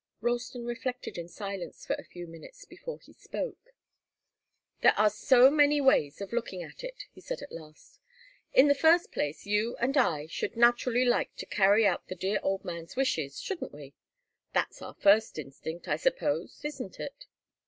Ralston reflected in silence for a few minutes, before he spoke. "There are so many ways of looking at it," he said at last. "In the first place, you and I should naturally like to carry out the dear old man's wishes, shouldn't we? That's our first instinct, I suppose. Isn't it?"